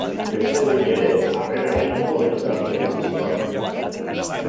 Beste behin ere, harrera nahiko ona izan zuen diskoak.